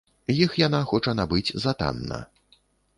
Іх яна хоча набыць за танна.